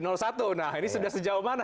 nah ini sudah sejauh mana